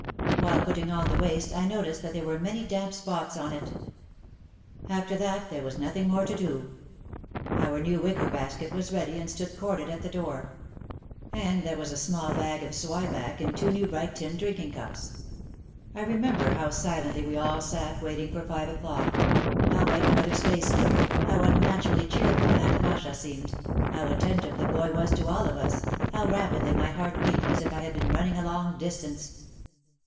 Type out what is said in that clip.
While putting on the waist I noticed that there were many damp spots on it. After that there was nothing more to do. Our new wicker basket was ready and stood corded at the door. And there was a small bag of zwieback and two new bright tin drinking cups. I remember how silently we all sat waiting for five o'clock, how white mother's face looked, how unnaturally cheerful Aunt Masha seemed, how attentive the boy was to all of us, how rapidly my heart beat as if I had been running a long distance.